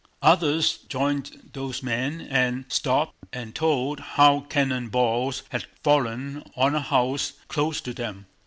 Others joined those men and stopped and told how cannon balls had fallen on a house close to them.